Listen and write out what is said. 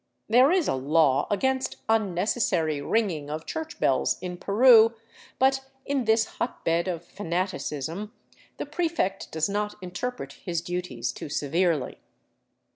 There is a law against " unnecessary '* ringing of church bells in Peru ; but in this hotbed of fanaticism the prefect does not interpret his duties too severely.